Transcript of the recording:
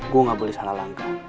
gue gak boleh salah langkah